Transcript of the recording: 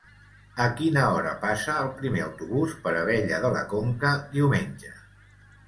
A quina hora passa el primer autobús per Abella de la Conca diumenge?